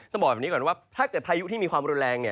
บอกแบบนี้ก่อนว่าถ้าเกิดพายุที่มีความรุนแรงเนี่ย